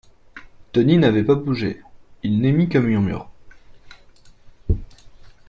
Denis n’avait pas bougé. Il n’émit qu’un murmure.